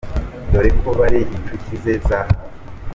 dore ko bari inshuti ze za hafi.